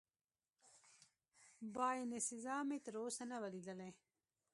باینسیزا مې تراوسه نه وه لیدلې.